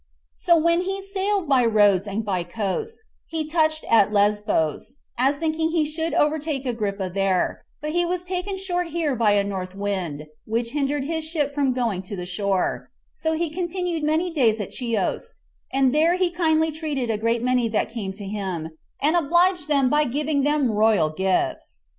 So when he had sailed by Rhodes and by Cos, he touched at Lesbos, as thinking he should have overtaken Agrippa there; but he was taken short here by a north wind, which hindered his ship from going to the shore; so he continued many days at Chius, and there he kindly treated a great many that came to him, and obliged them by giving them royal gifts.